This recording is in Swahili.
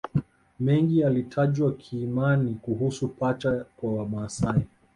Mengi yalitajwa kiimani kuhusu pacha kwa Wamasai